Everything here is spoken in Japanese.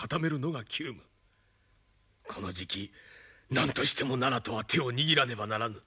この時期何としても奈良とは手を握らねばならぬ。